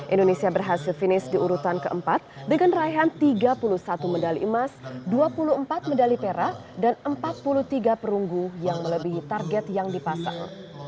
indonesia berhasil finish di urutan keempat dengan raihan tiga puluh satu medali emas dua puluh empat medali perak dan empat puluh tiga perunggu yang melebihi target yang dipasang